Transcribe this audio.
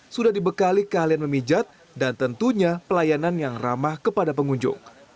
sudah dibekali keahlian memijat dan tentunya pelayanan yang ramah kepada pengunjung